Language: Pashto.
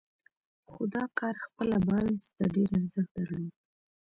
خو دا کار خپله بارنس ته ډېر ارزښت درلود.